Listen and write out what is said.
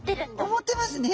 思ってますね！